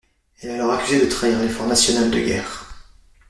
Elle est alors accusée de trahir l'effort national de guerre.